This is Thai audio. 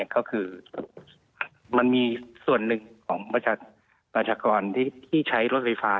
ก็คือมันมีส่วนหนึ่งของประชากรที่ใช้รถไฟฟ้า